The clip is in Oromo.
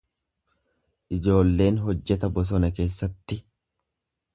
Ijoolleen hojjeta bosona keessatti.